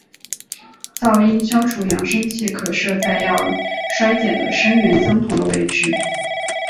噪音消除扬声器可设在要衰减的声源相同的位置。